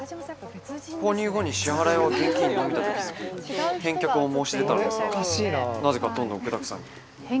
購入後に支払いは現金のみだと気付き返却を申し出たのですがなぜか、どんどん具だくさんに。